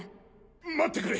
待ってくれ！